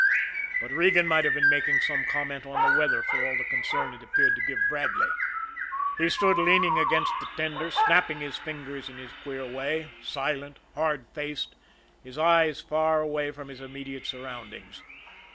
But Regan might have been making some comment on the weather for all the concern it appeared to give Bradley. He stood leaning against the tender, snapping his fingers in his queer way, silent, hard faced, his eyes far away from his immediate surroundings.